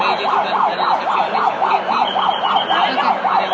jadi juga pada resepsi ini seperti itu